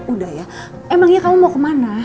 udah ya emangnya kamu mau kemana